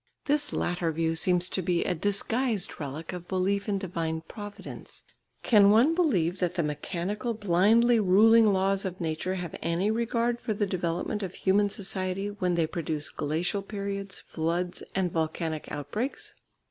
This latter view seems to be a disguised relic of belief in divine providence. Can one believe that the mechanical blindly ruling laws of nature have any regard for the development of human society when they produce glacial periods, floods, and volcanic outbreaks?